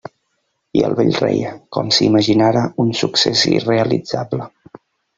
I el vell reia, com si imaginara un succés irrealitzable.